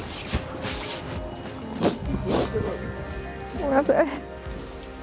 ごめんなさい。